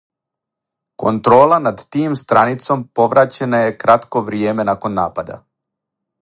Контрола над тим страницом повраћена је кратко вријеме након напада.